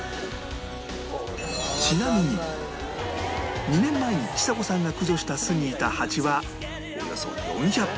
ちなみに２年前にちさ子さんが駆除した巣にいたハチはおよそ４００匹